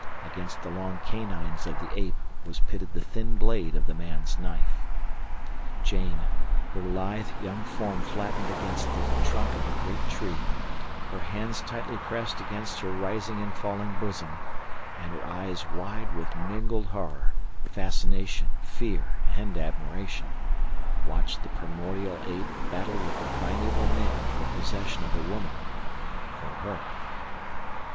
Against the long canines of the ape was pitted the thin blade of the man's knife. Jane—her lithe, young form flattened against the trunk of a great tree, her hands tight pressed against her rising and falling bosom, and her eyes wide with mingled horror, fascination, fear, and admiration—watched the primordial ape battle with the primeval man for possession of a woman—for her.